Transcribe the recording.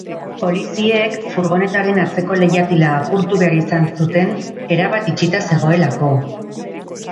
Poliziek furgonetaren atzeko leihatila apurtu behar izan zuten, erabat itxita zegoelako.